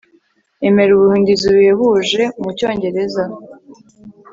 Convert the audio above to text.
emera ubuhinduzi buhebuje mu cyongereza